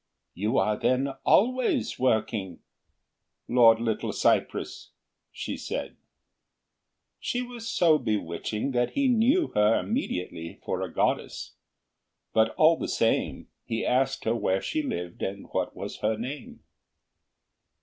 "You are then always working, Lord Little cypress?" she said. She was so bewitching that he knew her immediately for a goddess; but all the same he asked her where she lived and what was her name.